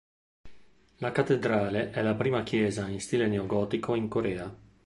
La cattedrale è la prima chiesa in stile neogotico in Corea.